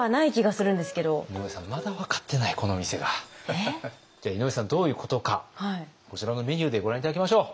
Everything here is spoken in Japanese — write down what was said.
えっ？じゃあ井上さんどういうことかこちらのメニューでご覧頂きましょう。